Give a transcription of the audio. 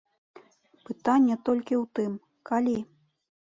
Пытанне толькі ў тым, калі?